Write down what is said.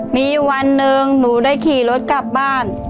มีวันหนึ่งหนูได้ขี่รถกลับบ้าน